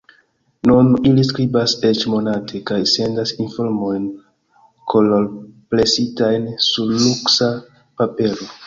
Nun ili skribas eĉ monate kaj sendas informojn kolorpresitajn sur luksa papero.